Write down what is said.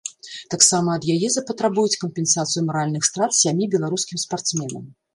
Таксама ад яе запатрабуюць кампенсацыю маральных страт сямі беларускім спартсменам.